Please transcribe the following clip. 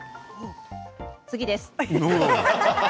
次です。